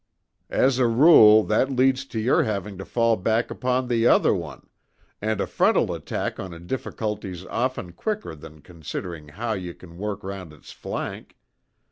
"As a rule, that leads to your having to fall back upon the other one; and a frontal attack on a difficulty's often quicker than considering how you can work round its flank.